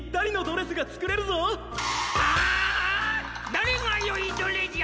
だれがよいどれじゃ！